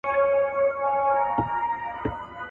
د نشه يي توکو پلورونکي د ټولني دښمنان دي.